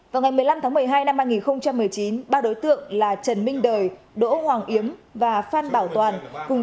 vào ngày một mươi năm tháng một mươi hai năm hai nghìn một mươi chín ba đối tượng là trần minh đời đỗ hoàng yếm và phan bảo toàn